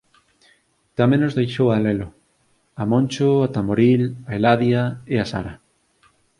Tamén nos deixou a Lelo, a Moncho, a Tamboril, a Eladia e a Sara.